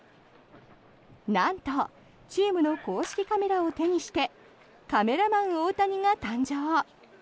なんとチームの公式カメラを手にしてカメラマン大谷が誕生。